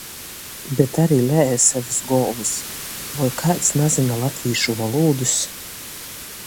Bet ari lēje sev iz golvys. Voi kaids nazyna latvīšu volūdys?